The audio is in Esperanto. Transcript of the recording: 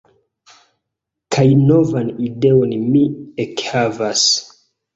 Kaj novan ideon mi ekhavas.